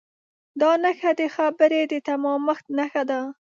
دا نښه د خبرې د تمامښت نښه ده.